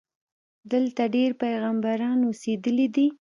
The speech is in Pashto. دلته ډېر پیغمبران اوسېدلي دي.